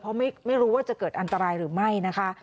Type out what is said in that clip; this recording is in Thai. เพราะไม่รู้ว่าจะเกิดอันตรายหรือไม่นะคะ